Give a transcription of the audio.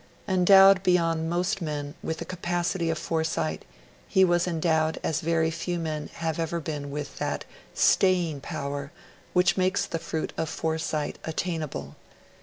Endowed beyond most men with the capacity of foresight, he was endowed as very few men have ever been with that staying power which makes the fruit of foresight attainable.